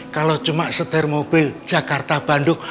kalau cuma setir mobil jakarta bandung